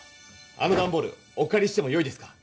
あのダンボールおかりしてもよいですか？